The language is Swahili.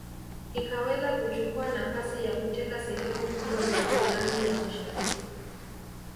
Ikaweza kuchukua nafasi ya kuteka sehemu kubwa za Uholanzi ya Mashariki